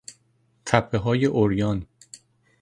تپههای عریان